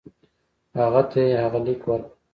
هغه ته یې هغه لیک ورکړ.